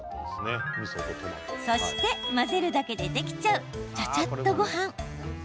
そして、混ぜるだけでできちゃうチャチャッとごはん。